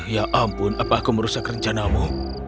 ya ampun apa aku merusak rencanamu